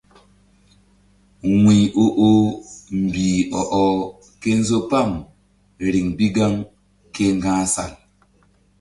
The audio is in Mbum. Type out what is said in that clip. Wuy o oh mbih ɔ ɔh ke nzo pam riŋ bi gaŋ ke ŋga̧h sal.